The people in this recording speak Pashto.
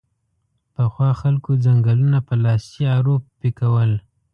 پخوا خلکو ځنګلونه په لاسي ارو پیکول